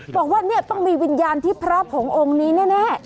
บอกว่าเนี่ยต้องมีวิญญาณที่พระผงองค์นี้แน่